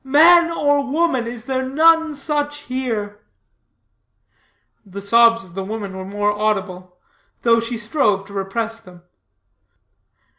Man or woman, is there none such here?" The sobs of the woman were more audible, though she strove to repress them.